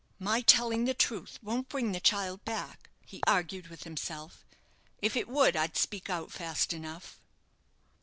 "My telling the truth won't bring the child back," he argued with himself. "If it would, I'd speak out fast enough."